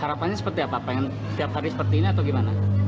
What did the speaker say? ini beli oleh orang tua